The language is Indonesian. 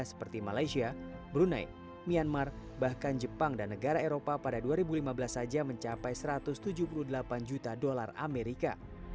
seperti malaysia brunei myanmar bahkan jepang dan negara eropa pada dua ribu lima belas saja mencapai satu ratus tujuh puluh delapan juta dolar amerika